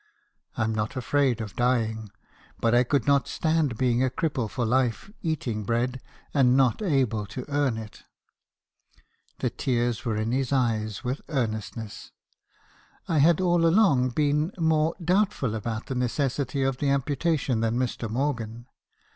I'm not afraid of dying , but I could not stand being a cripple for life , eating bread, and not able to earn it.' "The tears were in his eyes with earnestness. I had all along been more doubtful about the necessity of the amputa tion than Mr. Morgan.